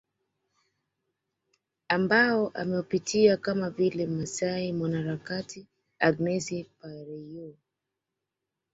Ambao wameupitia kama vile Mmasai mwanaharakati Agnes Pareiyo